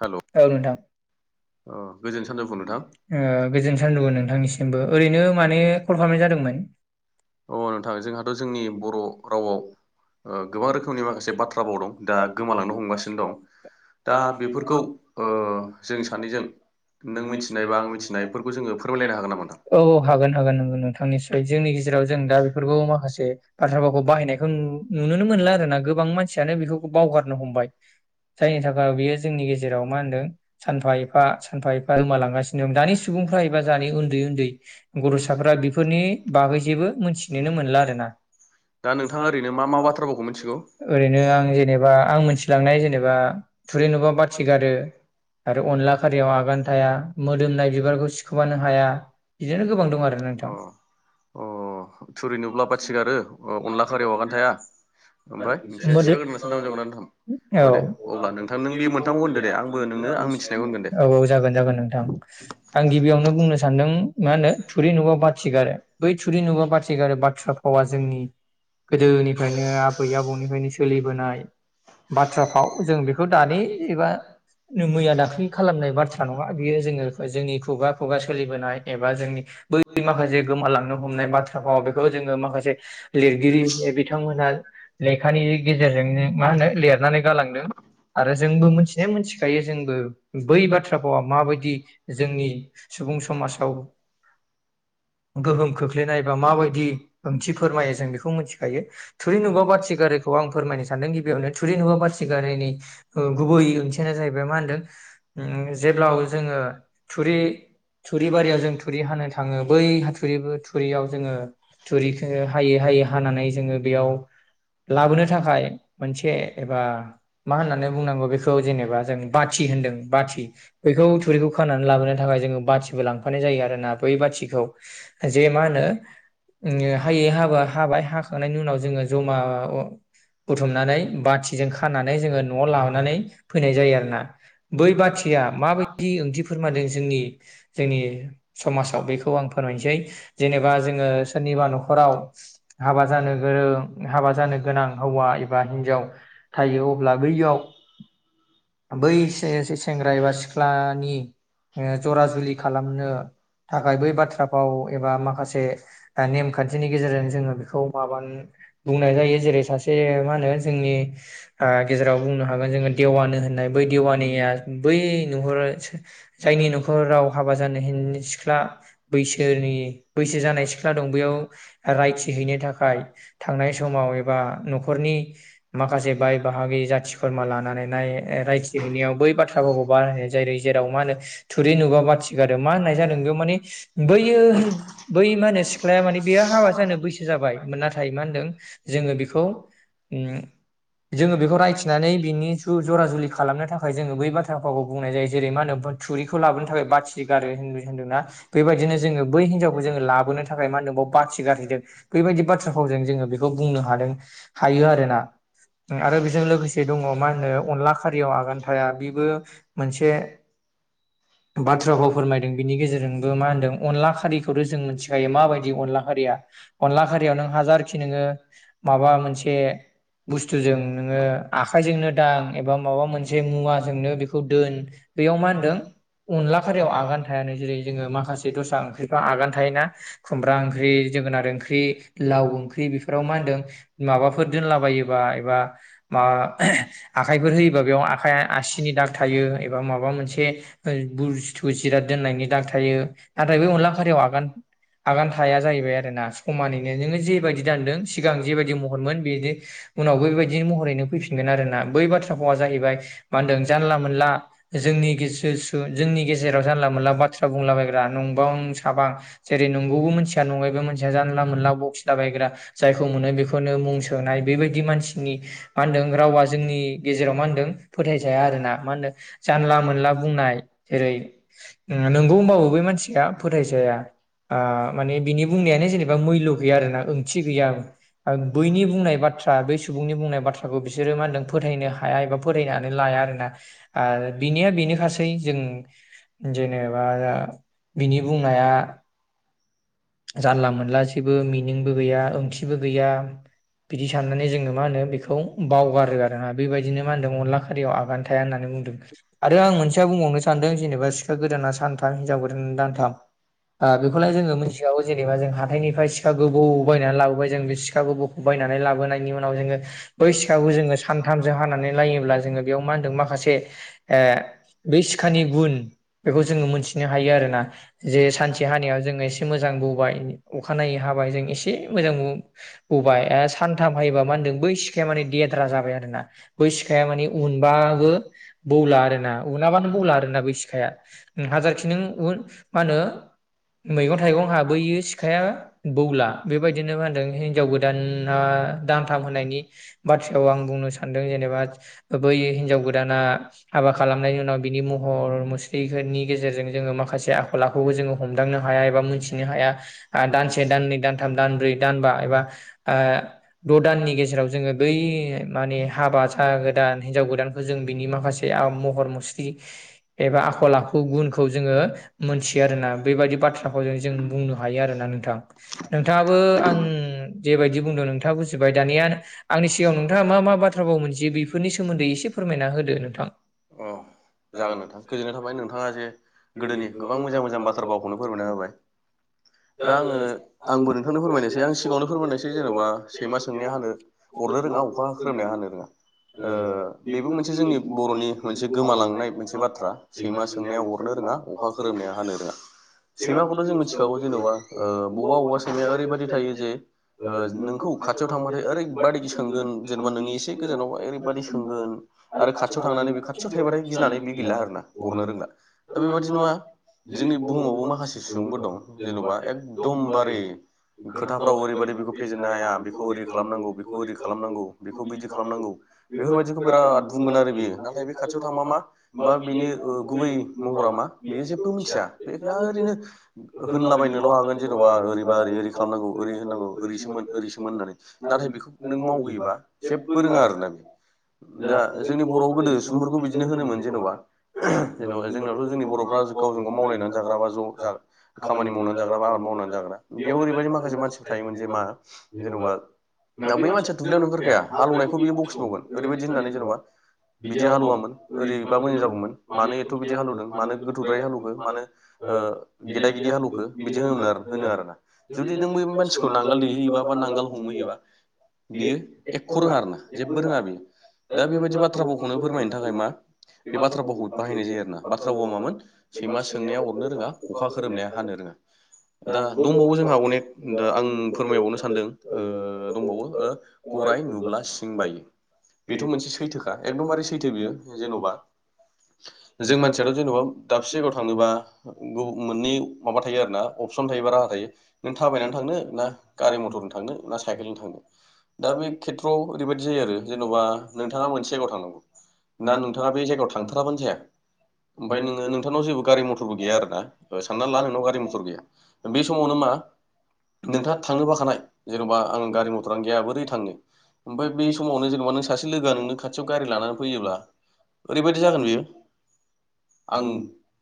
हेल' औ नोंथां ओ गोजोन सानजौफु नोंथां ओ गोजोन सानजोफु नोंथांनिसिमबो ओरैनो माने कल खालामनाय जादोंमोन अ नोंथां जोंहाथ' जोंनि बर' रावआव गोबां रोखोमनि माखासे बाथ्राफावदों दा गोमालांनो हमगासिनो दं दा बेफोरखौ ओ औ जों सानैजों नों मिथिनाय बा आं मिथिनायफोरखौ जोङो फोरमायलायनो हागोन नामा नोंथां? औ हागोन हागोन नोंथांनिसिमबो जोंनि गेजेराव जों दा बेफोरखौ माखासे बाथ्राफावखौ बाहायनायखौ नुनो मोनला आरोना गोबां मानसियानो बेखौ बावगारनो हमबाय जायनि थाखाय बेयो जोंनि गेजेराव जेराव मा होन्दों सानफा एफा सानफा एफा गोमालांगासिनो दं दानि सुबुंफ्रा एबा जानि उन्दै उन्दै गथ'साफ्रा बेफोरनि बागै जेबो मोनथिनोनो मोनला आरो ना दा नोंथाङा ओरैनो मा मा बाथ्रा भावखौ मिथिगौ? ओरैनो आं जेनेबा आं मोनथिलांनाय जेनेबा थुरि नुबा बाथि अ अ ग थाया मोदोमनाय बिबारखौ सिखोमानो हाया बिदिनो गोबां दं आरो नोंथां थुरि नुब्ला बाथिगारो अनला खारियाव आगानो थाया ओमफ्राय मोदो मोनसे [unintelligible] औ दे अब्ला नोंथां नों बे मोनथामखौ होनदों औ औ जागोन जागोन नोंथां आं गिबियावनो बुंनो सानदों मा होनो थुरि नुबा बाथिगारो बै थुरि नुबा बाथिगारो बाथ्रा फावा गोदोनिफ्रायनो आबै आबौनिफ्रायनो सोलिबोनाय बाथ्राफ्राव जों बेखौ दानि एबा मैया दाख्लि खालामनाय बाथ्रा नङा बियो जोङो जोंनि खुगा खुगा सोलिबोनाय एबा जोंनि बै माखासे गोमालांनो हमनाय बाथ्राफ्राव बेखौ जोङो माखासे लिरगिरि बिथांमोनहा लेखानि गेजेरजों मा होनो लिरनानै गालांदों आरो जोंबो मोनथि मिथिखायो जोंबो बै बाथ्रा भावा माबायदि जोंनि सुबुं समाजाव गोहोम खोख्लैनाय बा माबायदि फोरमायो जों बेखौ मिथिखायो थुरि नुबा बाथि गारोखौ आं फोरमायनो सानदों गिबियावनो थुरि नुबा बाथि गारोनि गुबै जाहैबाय मा होनदों जेब्ला जोङो थुरि थुरि बारियाव जों थुरि हानो थाङो बै हाथुरिबो थुरियाव जोङो थुरिखौ हायै हायै हानानै जोङो बेयाव लाबोनो थाखाय मोनसे एबा मा होननानै बुंनांगौ बेखौ जेनेबा जों बाथि होनदों बैखौ थुरिखौ खानानै लाबोनो थाखाय जो बाथिबो लांफानाय जायो आरोना बै बाथिखौ जे मा होनो हायै हाबा हाबाय हाखांनायनि उनाव जोङो जमा बुथुमनानै बाथिजों खानानै जोङो न'आव लानानै फैनाय जायो आरोना बै बथिया माबायदि ओंथि फोरमादों जोंनि जोंनि समाजाव बेखौ आं फोरमायनोसै जेनेबा जोङो सोरनिबा न'खराव हाबा जानो गोरों हाबा जानो गोनां हौवा एबा हिनजाव थायो अब्ला बैयाव बै सेंग्रा एबा सिख्लानि जरा जुलि खालामनो थाखाय बै बाथ्राफाव एबा माखासे नेमखान्थिनि गेजेरजों जोङो बेखौ माब बुंनाय जायो जेरै सासे मा होनो जोंनि गेजेराव बुंनो हागोन जोङो देवनि होननाय बै देवानिया बै नखर जायनि न'खराव हाबा जानो सिख्ला बैसनि बैसो जानाय सिख्ला दं बैयाव रायथि हैैनो थाखाय थांनाय समाव एबा न'खरनि माखासे बाय बाहागि जाथि खुरमा लानानै रायथि हैनायाव बै बाथ्राफोरखौ बाहयनाय जायो जेराव मा होनो थुरि नुबा बाथि गारो मा होननाय जादों बेयाव माने बैयो बै मा होनो सिख्ला बेयो हाबा जानो बैसो जाबाय नाथाय मा होनदों जोङो बेखौ जोङो बेखौ रायथिनानै बिनि जरा जुलि खालामनो थाखाय जोङो बै बाथ्राखौ फावखौ बुंनाय जायो जेरै मा होनो थुरिखौ लाबोनो थाखाय बाथि गारो हिन्दु हिन्दुना बेबायदिनो जोङो बै हिनजावखौ जोङो लाबोनो थाखाय बाथि गारहैदों बेबायदि बाथ्रा फावजों जोङो बेखौ बुंनो हादों हायो आरोोना आरो बेजों लोगोसे दङ मा होनो अ खारियाव आगान थाया बेबो मोनसे बाथ्राखौ फोरमायदों बिनि गेजेरजोंबो मा होनदों अनला खारिखौथ' जों मिथिखायो मा बिदि अनला खारिया अनला खारियाव नों हाजारखि नोङो माबा मोनसे बुस्थुजों नोङो आखायजोंनो दां एबा माबा मोनसे मुवाजोंनो बेखौ दोन बेयाव मा होनदों अनला खारियाव आगान थायानो जेरै जोङो माखासे दस्रा ओंख्रिफ्रा आगान थायोना खुमब्रा ओंख्रि जोगोनार ओंख्रि लाव ओंख्रि बेफोराव मा होनदों माबाफोर दोनलाबायोबा एबा माबा आखाइफोर होयोबा बेयाव आखाइ आसिनि दाग थायो एबा माबा मोनसे बुस्थु जिराद दोननायनि दाग थायो नाथाय बे अनला खारियाव आगान आगान थाया जाहैबाय आरो ना समानैनो नोङो जेबायदि दानदों सिगां जेबायदि महरमोन बे उनावबो बेबायदिनो महरैनो फैफिनगोन आरोना बाथ्रा फावा जाहैबाय मा होनदों जानला मोनला जोंनि गेसेसु जोंनि गेजेराव जानला मोनला बाथ्रा बुंलाबायग्रा नंबां सांबां जेरैहाय गौबो नङैबो मोनथिया जानला मोनला बकिला बायग्रा जायखौ मोनो बेखौनो मुं सोनाय बेबायदि मानसिनि मा होनदों रावा जोंनि गेजेराव मा होनदों फोथायजाया आरो ना मा होनदों जानला मोनला बुंनाय जेरै नंगौ होनबाबो बै मानसिया फोथायजाया माने बिनि बुंनायानो जेनेबा मैल्य गैया आरोना ओंथि गैया बैनि बुंनाय बाथ्रा बै सुबुंनि बुंनाय बाथ्राखौ बिसोरो मा होनदों फोथायनो हाया एबा फोथायनानै लाया आरोना आरो बिनिया बेनोखासै जों जेनेबा बिनि बुंनाया जानला मोनला जेबो मिनिंबो गैया ओंथिबो गैया बिदि साननानै जोङो मा होनो बेखौ बावगारो आरो जोंहा बेबादिनो मा होनदों खारिआव आगान थाया होननानै बुं आरो आं मोनसे बुंबावनो सानदों जेननोबा सिखा गोदाना सानथाम हिनजाव गोदाना दानथाम ओह बेखौ जोंङो मोनथि जों हाथायनिफ्राय जों सिखा गोबौ बायनानै लाबोबाय जों सिखा गोबौखौ बायनानै लाबोनायनि उनाव जोङो बै सिखाखौ जोङो सानथामजों हानानै लायोब्ला जोङो बेयाव मा होनदों माखासे बे सिखानि गुन बेखौ जोङो मोनथिनो हायो आरोना जे सानसे हानायाव जोङो एसे मोजां बौ अखानायै हाबाय जों एसे मोजां बौबाय सानथाम हायोबा मा होनदों बै सिखाया माने देद्रा जाबाय आरो बै सिखाया माने उनबाबोबो बौला आरोना उनाबानो बौला आरोना बै सिखाया हाजारखि नों मा होनो मैगं थाइगं हा बैयो सिखाया‌ बौला बिबायदिनो मा होनदों हिनजाव गोदाना दानथाम होन्नायनि बाथ्रायाव आं बुंनो स जेनेबा बै हिनजाव गोदाना हाबा खालामनायनि उनाव बिनि महर मुस्रिफोरनि गेजेरजों जोङो माखासे आखल आखुखौ जोङो हमदांनो हाया एबा मोनथिनो हाया दानसे दाननै दानथाम दानब्रै दानबा एबा द' दाननि गेजेराव जोङो बै माने हाबा जा गोदान हिनजाव गोदानखौ जों बिनि माखासे महर मुस्रि एबा आखल आखु गुनखौ जोङो मोनथियो आरोना बेबायदि बाथ्राखौ जों जों बुं हायो आरोना नोंथां नोंथाङाबो आं जेबायदि बुंदों नोंथाङा बुजिबाय दानिया आंनि सिगाङाव नोंथाङा मा मा बाथ्रा अ नोंथां जागोन नोंथां गोजोननाय थाबाय नोंथाङा जे गोदोनि गोबां मोजां मोजां बाथ्रा बावखौनो फोरमायना होबाय दा आङो आंबो नोंथांनो फोरमायनायसै आं सिगाङावनो फोरमायनायसै जेनबा सैमा सोंनाया हानो अरनो रोङा अखा खोरोमनाया हानो रो ओ बेबो मोनसे जोंनि बरनि मोनसे गोमालांनाय मोनसे बाथ्रा सैमा सोंनाया अरनो रोङा अखा खोरोमनाया हानो रोङा सैमाखौथ जों मोनथि औ जेनबा ओ बबा अबबा सैमाया ओैरैबादि थायो जे ओ नोंखौ खाथियाव थांबाथाय ओरैबायदि सोंगोन जेनेबा नोंनि एसे गोजानावबा ओरैबायदि सोंगोन आरो खाथियाव थांनानै बे खाथियाव थायैबाथाय गिनानै बे गैला आरोना अरनो रोंला दा बेबादिनो मा जोंनि बुहुमावबो माखासे सुबुंफोर दं जेनबा एकदमबारे खोथाफ्राव ओरैबायदि बेखौ फेजेननो हाया बेखौ ओरै खालामनांगौ बेखौ ओरै खालामनांगौ बेखौ बैदि खालामनांगौ बेफोर बायदिखौ बिराद बुंगोन आरो बियो नाथाय बे खाथियाव थांबा मा मा बेनि ओ गुबै महरा मा बेयो जेबो मिथिया बे ओरैनो हो होनलाबायनोल हागोन जेनबा ओरैबा ओरै ओरै खालामनांगौ ओरै होननांगौ ओरैसोमोन ओरैसोमोन होननानै नाथाय बेखौ नों मावहोयोबा जेब्बो फोरोङा आरो ना बे दा जोंनि बरआव गोदो सुबुंफोरखौ बिदिनो होनोमोन जेनबा जेनबा जोंनाथ जोंनि बरफ्रा गावजों गाव मावलायनानै जाग्रा बा ज जा खामानि मावनानै जाग्रा बा आबाद मावनानै जाग्रा बेयाव ओरैबायदि माखासे मानसिफोर थायोमोन जे मा जेनबा बै मानसिया दुब्लियाव ओंखारखाया हालौवनायखौ बियो बखिबावगोन ओरैबायदि होननानै जेनबा बिदि हालौवामोन ओरैबा मोजां जागौमोन मानो एथ बिदि हालौवदों मानो गोथौद्राय हालौवखो मानो ओ गेदा गिद हालौखो बिदि होनोनो आरो होनो आरोना जुदि नों बै मानसिखौ नांगोल दैहोयोबा बा नांगोल हमहोयोबा बियो एख रोङा आरो ना जेबो रोङा बियो दा बेबायदि बाथ्रा भावखौनो फोरमायनो थाखाय मा बे बाथ्रा भावखौ बाहायनाय जायो आरोना बाथ्रा भावआ मामोन सैमा सोंनाया अरनो रोङा अ अखा खोरोमनाया हानो रोङा दा दंबावो जोंहा अनेक दा आं फोरमायबावनो सानदों ओ दंबावो ओ गरराय नुब्ला सिं बायो बेथ मोनसे सैथोखा एकदमबारे सैथो बियो जेनबा जों मानसियाथ जेनबा दाबसे जायगायाव थाङोबा मोननै माबा थायो आरो ना अपसन थायो बा राहा थायो नों थाबायनानै थांनो ना गारि मथरजों थांनो ना साइकेलजों थांनो दा बे खेथ्रआव ओरैबायदि जायो आरो जेनबा नोंथाङा मोनसे जायगायाव थांनांगौ ना नोंथाङा बे जायगायाव थांथ्राबानो जाया ओमफाय नोङो नोंथांनाव जेबो गारि मथरबो गैया आरोना सानना ला नोंनाव गारि मथर गैया बे समावनो मा नोंथाङा थांनो बाखानाय जेनबा आं गारि मथरानो गैया बोरै ओमफाय बे समावनो जेनबा सासे लोगोआ नोंनो खाथियाव गारि फैयोब्ला ओरैबादि जागोन बियो आं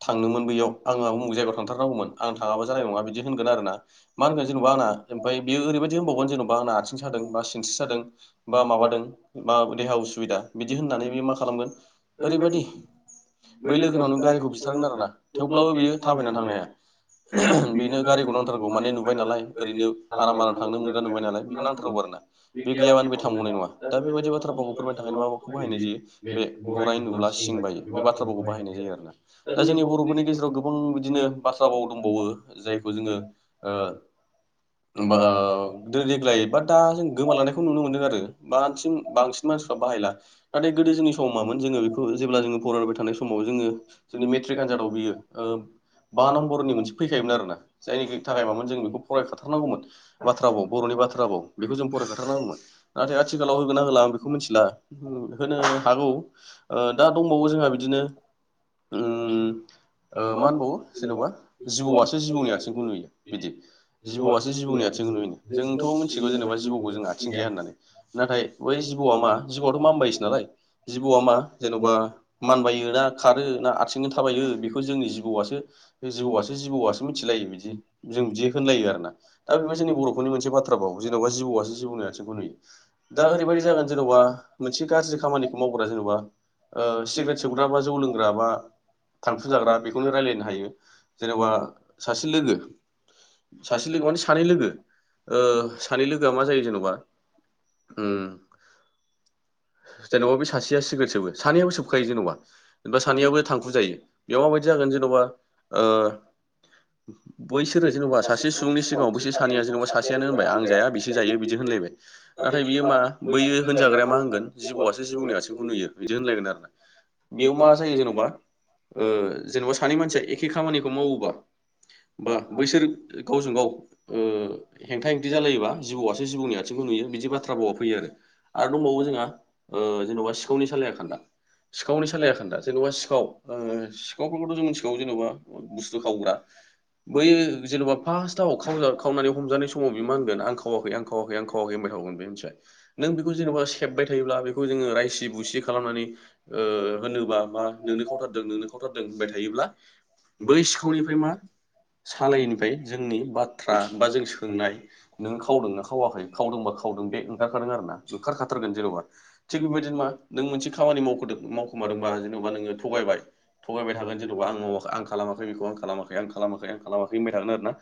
थांनोमोन बैयाव आङा जायगायाव थांथारनांगौमोन आं थाङाबा जानाय नङा बिदि होनगोन आरोना मा होनगोन जेनबा आंना ओमफाय बियो ओरैबायदि होनबावगोन जेनबा आंना आथिं सादों बा सिनस्रि सादों बा माबादों बा देहा उसुबिदा बिदि होननानै बे मा खालामगोन ओरैबायदि बै लोगोनावनो गारिखौ बिथारगोन आरोना थेवब्लाबो बियो थाबायना थांनो हाया बेनो गारिखौ नांथारगौ माने नुबाय नालाय ओरैनो आराम आराम थांनो मोनग्रा नुबाय नालाय बेखौ औ आरो ना बे गैयाबानो बे थांबावनाय नङा दा बेबायदि बाथ्राभाव फोरमायनो थाखाय मा माखौ बाहायनाय जायो बे गराइ होन नुब्ला सिं बायो बे बाथ्राभावखौ बाहायनाय जायो आरो ना दा जोंनि बरफोरनि गेजेराव गोब बुं बिदिनो बाथ्रा बाव दंबावो जायखौ जोङो ओ बाव दो देग्लाय बा दा जों गोमालांनायखौ नुनो मोन्दों आरो बानसिन बांसिन मानसिफ्रा बाहायला नाथाय गोदो जोंनि समाव मामोन जोङो बेखौ जेब्ला जोङो फरायबाय थानाय समाव जोङो जोंनि मेट्रिक आनजादाव बियो ओ बा नम्बरनि मोनसे फैखायोमोन आरो ना जायनि थाखाय मामोन जों बेखौ फरायखाथारनांगौमोन बाथ्राभाव बरनि बाथ्राभाव गो जों फरायखाथारनांगौमोन नाथाय आथिखालाव होगोना होला आं बेखौ मिथिला होनो हागौ ओ दा दंबावो जोंहा बिदिनो ओम ओ मा होनबावो जेन'बा जिबौआसो जिबौनि आथिंखौ नुयो बिदि जिबौआसो जिबौनि आथिंखौ नुयो जोंथ' मिथिगौ जेनेबा गौ‌जों आथिं गैया होननानै नाथाय बै जिबौआ मा जिबौआथ' मानबायसो नालाय जिबौआ मा जेन'बा मानबायो ना खारो ना आथिंजों थाबायो जोंनि जिबौआसो जिबौआसो जिबौआसो मिथिलायो बिदि जों बिदि होनलायो आरोना दा बेबो जोंनि बर'फोरनि मोनसे बाथ्रा भाव जेन'बा जिबौआसो जिबौनि आथिंखौ नुयो दा ओरैबायदि जागोन जेन'बा मोनसे गाज्रि खामानिखौ मावग्रा जेन'बा ओ सिगारेट सोबग्रा बा जौ लोंग्रा बा थांख फोजाग्रा बेखौनो रायलायनो हायो जेनेबा सासे लोगो सासे लोगो माने सानै लोगो ओ सानै लोगोआ मा जायो जेन'बा उम जेनेबा बे सासेया सिगारेट सोबो सानैयाबो सोबखायो जेनेबा जेनेबा सानैयाबो थांखु जायो बेयाव माबायदि जागोन जेन'बा ओ बैसोरो जेन'बा सासे सुबुंनि सिगाङाव बैसोर सानैया जेनबा सासेयानो होनबाय आं जाया बिसोर जायो बिदि होनलायबाय नाथाय बियो मा बैयो होनजाग्राया मा होनगोन जिबौआसो जिबौनि आथिंखौ नुयो बिदि होनलायगोन आरोना बेयाव मा जायो जेन'बा ओ जेनेबा सानै मानसिया एखे खामानिखौ मावोबा बा बैसोर गावजों गाव उम हेंथा हेंथि जालायोबा जिबौआसो जिबौनि आथिंखौ नुयो बिदि बाथ्रा भावा फैयो आरो आरो दंबावो जोंहा ओ जेन'बा सिखावनि सालाया खान्दा सिखावनि सालाया खान्दा जेन'बा सिखाव ओ सिखावफोरखौथ' जों मिथिगौ जेनेबा बुस्थु खावग्रा बैयो जेन'बा फार्स्टआवाव खावनानै हमजानाय समाव बे मा होनगोन आं खावाखै आं खावाखै आं खावाखै होनबाय थावगोन बे मिथि नों बेखौ जेनेबा सेबबाय थायोब्ला खौ जोङो रायसि बुसि खालामनानै ओ होनोबा बा नोंनो खावथार नोंनो खावथारदों होनबाय थायोब्ला बै सिखावनिफ्राय मा सालायनिफ्राय जोंनि बाथ्रा बा जों सोंनाय नों खावदोंनाा खावाखै खावदोंबा खावदों बे ओंखारखादों आरोना ओंखारखाथारगोन जेन'बा थिग बेबायदिनो मा नों मोनसे खामानि मावखदों मावखुमादोंबा जेन'बा नोङो थगायबाय थगायबाय थागोन जेन'बा आं मावाखै आं खालामाखै बेखौ आं खालामाखै आं खालामाखै आं खालामाखै होनबाय थागोन आरोना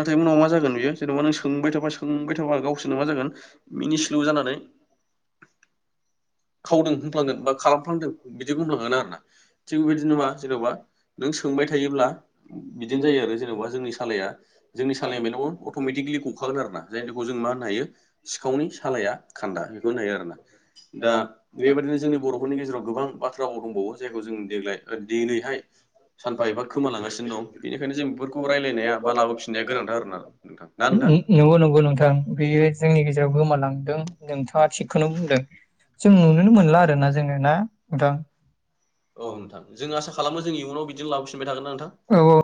नाथाय उनाव मा जागोन बियो जेन'बा नों सोंबाय थाबा सोंबाय थाबा गावसोरनो मा जागोन मिनिस्लु जानानै खावदों होनफ्लांगोन बा खालामफ्लांदों बिदि बुंफ्लांगोन आरोना थिग बेबायदिनो मा जेन'बा नों सोंबाय थायोब्ला बिदिनो जायो आरो जेन'बा जोंनि सालाया जोंनि सालाया [unintelligible] अट'मेटिकेलि गखागोन आरोना जायखौ जों मा होननो हायो सिखावनि सालाया खान्दा बेखौ होननो हायो आरो ना दा बेबायदिनो जोंनि बर'फोरनि जोंहा गोबां बाथ्रा भाव जेरै जों देग्लाय सानफा एबा खोमालांगासिनो दं बेनिखायनो जों बेफोरखौ रायलायनाया बा लाबोफिननाया गोनांथार आरोना नोंथां [unintelligible] ना नोंथां नंगौ नंगौ नोंथां बेयो‌ जोंनि गेजेराव गो गोमालांदों नोंथाङा थिखखौनो बुंदों जों नुनोनो मोनला आरोना जोङो ना नोंथां औ नोंथां जों आसा खालामो जों इयुनाव बिदिनो लाबोफिनबाय थागोन ना नोंथां औ औ